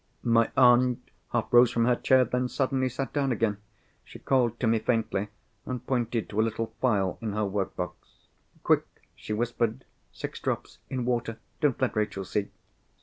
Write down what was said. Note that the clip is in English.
My aunt half rose from her chair, then suddenly sat down again. She called to me faintly, and pointed to a little phial in her work box. "Quick!" she whispered. "Six drops, in water. Don't let Rachel see."